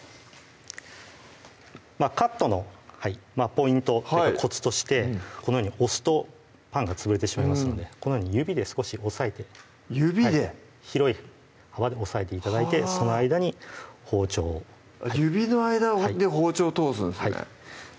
カットのポイントというかコツとしてこのように押すとパンが潰れてしまいますのでこのように指で少し押さえて指で広い幅で押さえて頂いてその間に包丁を指の間に包丁を通すんですね